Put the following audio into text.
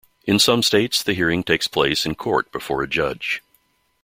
In some states, the hearing takes place in court before a judge.